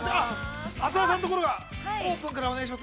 浅田さんのところがオープンからお願いします。